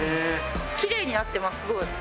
きれいになってますすごい。